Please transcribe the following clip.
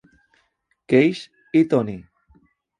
Keys i Tony!